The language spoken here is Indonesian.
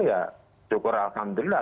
ya syukur alhamdulillah